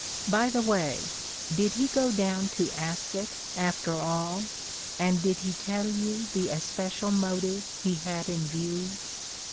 By the way, did he go down to Ascot after all, and did he tell you the especial motive he had in view?"